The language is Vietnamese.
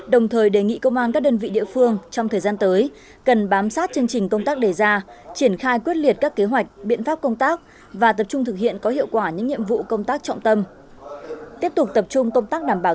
đồng thời đề nghị công an các đơn vị địa phương trong thời gian tới cần bám sát chương trình công tác đề ra triển khai quyết liệt các kế hoạch biện pháp công tác và tập trung thực hiện có hiệu quả những nhiệm vụ công tác trọng tâm